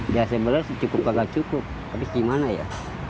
biasanya belas cukup tidak cukup tapi bagaimana ya